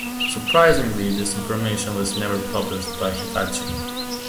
Surprisingly, this information was never published by Hitachi.